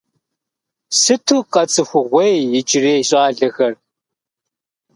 Сыту къэцӏыхугъуей иджырей щӏалэхэр…